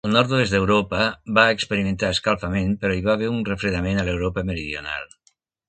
El nord-oest d'Europa va experimentar escalfament, però hi va haver refredament a l'Europa meridional.